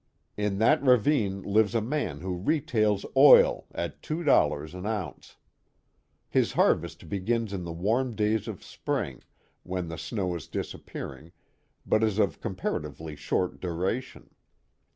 In that ravine lives a man who retails oil at two dollars an ounce. His harvest begins in the warm days of spring, when the snow is disappearing, but is of comparatively short dura tion.